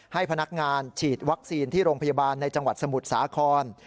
ให้พนักงานฉีดวัคซีนที่โรงพยาบาลในจังหวัดสมุทรสาคร